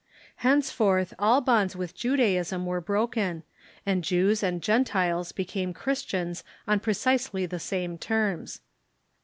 Henceforth all bonds with Judaism were broken, and Jews and Gentiles became Chris tians on precisely the same terms.